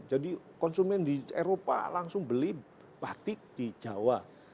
jadi konsumen di eropa langsung beli batik di jawa